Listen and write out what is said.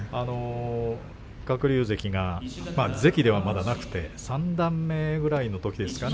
鶴竜関が関ではまだなくて三段目ぐらいのときですかね